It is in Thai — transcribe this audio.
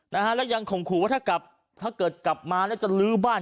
นะฮะแล้วยังข่มขู่ว่าถ้ากลับถ้าเกิดกลับมาแล้วจะลื้อบ้าน